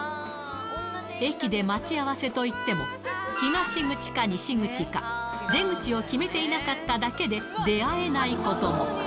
駅で待ち合わせといっても、東口か西口か、出口を決めていなかっただけで、出会えないことも。